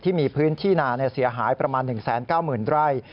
ที่มีพื้นที่นาเสียหายประมาณ๑๙๐๐ไร่